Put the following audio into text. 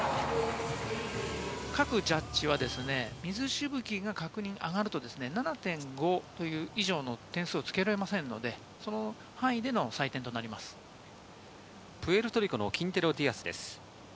各ジャッジは水しぶきが上がると、７．５以上の得点をつけられませんので、プエルトリコのキンテロ・ディアスです。